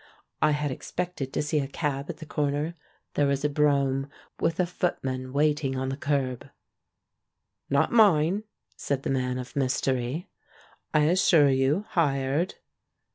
I had expected to see a cab at the corner; there was a brougham, with a foot man waiting on the kerb. "Not mine," said the Man of Mystery, "I as sure you. Hired."